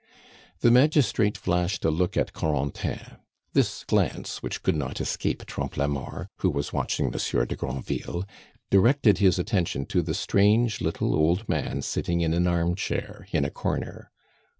The magistrate flashed a look at Corentin. This glance, which could not escape Trompe la Mort, who was watching Monsieur de Granville, directed his attention to the strange little old man sitting in an armchair in a corner.